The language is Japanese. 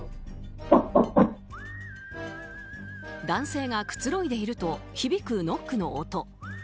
男性がくつろいでいると響くノックの音。